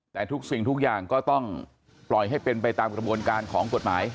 แต่ทุกสิ่งทุกอย่างก็ต้องปล่อยให้เป็นไปตามกระบวนการของกฎหมาย